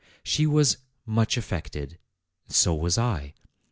She was much affected; so was I.